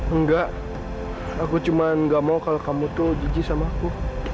enggak aku cuma gak mau kalau kamu tuh gigi sama aku